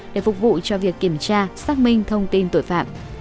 để phục vụ cho việc kiểm tra xác minh thông tin tội phạm